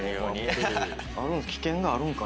危険があるんかな？